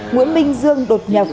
nguyễn minh dương đột nhập